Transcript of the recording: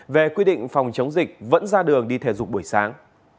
về quy định phòng chống dịch vẫn ra đường đi thể dục buổi sáng